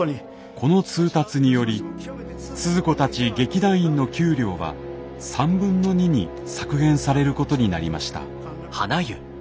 この通達によりスズ子たち劇団員の給料は３分の２に削減されることになりました。